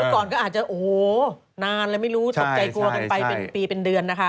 ก่อนก็อาจจะโอ้โหนานเลยไม่รู้ตกใจกลัวกันไปเป็นปีเป็นเดือนนะคะ